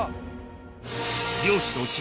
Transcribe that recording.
漁師の島